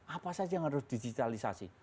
apa saja yang harus digitalisasi